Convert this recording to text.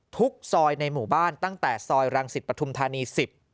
ทุกซอยในหมู่บ้านตั้งแต่ซอยรังศิษย์ประธุมธานี๑๐๑๒๑๔